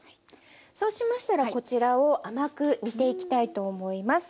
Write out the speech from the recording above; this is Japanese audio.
そうしましたらこちらを甘く煮ていきたいと思います。